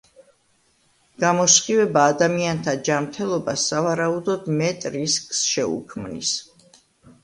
გამოსხივება ადამიანთა ჯანმრთელობას, სავარაუდოდ მეტ რისკს შეუქმნის.